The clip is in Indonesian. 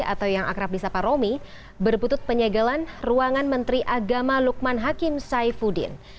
atau yang akrab di sapa romi berbutut penyegalan ruangan menteri agama lukman hakim saifuddin